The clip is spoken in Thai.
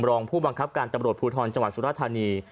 รองผู้บังคับการตำรวจภูทรจังหวัดสุรธานี